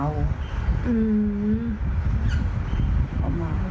เขาเมา